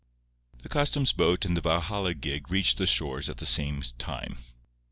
The customs boat and the Valhalla gig reached the shore at the same time.